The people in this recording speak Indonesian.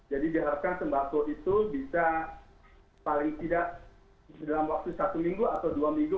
jadi diharapkan sembako itu bisa paling tidak dalam waktu satu minggu atau dua minggu